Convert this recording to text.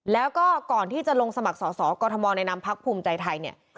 และก่อนที่จะสมัครสอสอเกี๊ยวคตมในภักดิ์ภูมิใจไทย